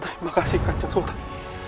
terima kasih kanjar sultan